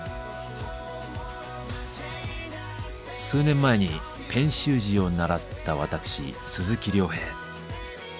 数年前にペン習字を習った私鈴木亮平。